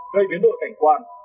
gây biến đổi cảnh quan